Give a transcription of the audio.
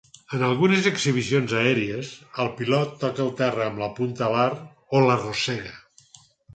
En algunes exhibicions aèries, el pilot toca el terra amb la punta alar o l'arrossega.